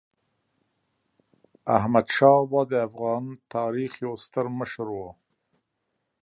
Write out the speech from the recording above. احمدشاه بابا د افغان تاریخ یو ستر مشر و.